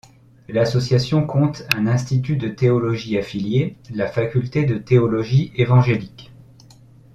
L'association compte un institut de théologie affilié, la Faculté de Théologie évangélique.